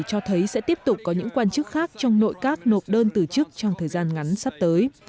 cho thấy sẽ tiếp tục có những quan chức khác trong nội các nộp đơn từ chức trong thời gian ngắn sắp tới